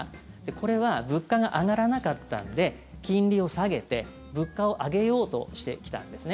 これは物価が上がらなかったんで金利を下げて物価を上げようとしてきたんですね。